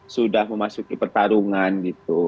sudah memasuki pertarungan gitu